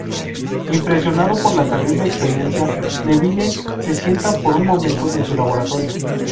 Impresionado por la terrible experiencia, Neville se sienta por un momento en su laboratorio.